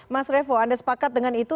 mas revo anda sepakat dengan itu